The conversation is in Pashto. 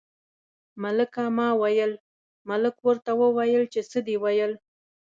ملکه ما ویل، ملک ورته وویل چې څه دې ویل.